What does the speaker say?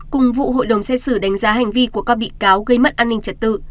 cùng vụ hội đồng xét xử đánh giá hành vi của các bị cáo gây mất an ninh trật tự